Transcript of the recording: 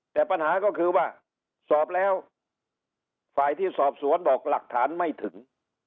แต่ปัญหาก็คือว่าสอบแล้วฝ่ายที่สอบสวนบอกหลักฐานไม่ถึง